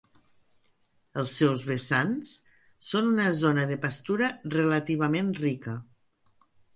Els seus vessants són una zona de pastura relativament rica.